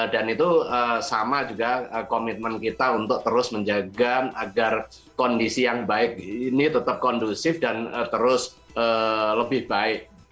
dan itu sama juga komitmen kita untuk terus menjaga agar kondisi yang baik ini tetap kondusif dan terus lebih baik